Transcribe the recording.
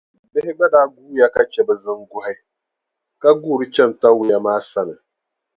Bihi gba daa guuya ka che bɛ ziŋgɔhi ka guuri chani Tawia maa sani.